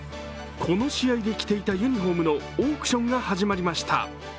この試合で着ていたユニフォームのオークションが始まりました。